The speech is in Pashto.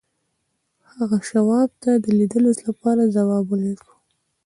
هغه شواب ته د لیدلو لپاره ځواب ولېږه